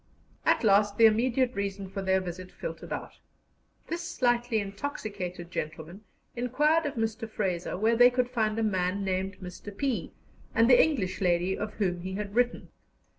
At last the immediate reason for their visit filtered out. This slightly intoxicated gentleman inquired of Mr. Fraser where they could find a man named Mr. P. and the English lady of whom he had written.